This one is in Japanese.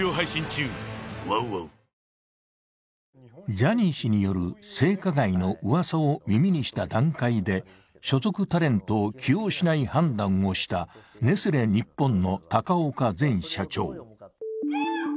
ジャニー氏による性加害のうわさを耳にした段階で所属タレントを起用しない判断をしたネスレ日本の高岡前社長。